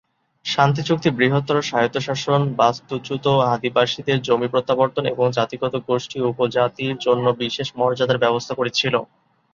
শান্তি চুক্তি বৃহত্তর স্বায়ত্তশাসন, বাস্তুচ্যুত আদিবাসীদের জমি প্রত্যাবর্তন এবং জাতিগত গোষ্ঠী ও উপজাতির জন্য বিশেষ মর্যাদার ব্যবস্থা করেছিল।